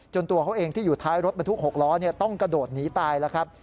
ตัวเขาเองที่อยู่ท้ายรถบรรทุก๖ล้อต้องกระโดดหนีตายแล้วครับ